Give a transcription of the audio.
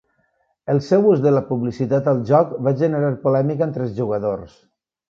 El seu ús de la publicitat al joc va generar polèmica entre els jugadors.